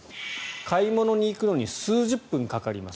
買い物に行くのに数十分かかります。